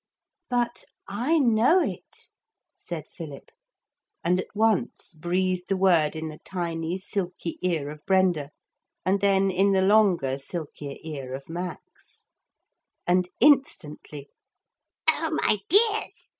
'But I know it,' said Philip, and at once breathed the word in the tiny silky ear of Brenda and then in the longer silkier ear of Max, and instantly 'Oh, my dears!'